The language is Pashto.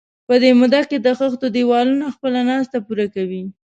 په دې موده کې د خښتو دېوالونه خپله ناسته پوره کوي.